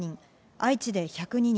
愛知で１０２人